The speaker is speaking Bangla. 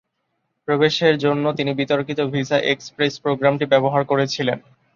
প্রবেশের জন্য তিনি বিতর্কিত ভিসা এক্সপ্রেস প্রোগ্রামটি ব্যবহার করেছিলেন।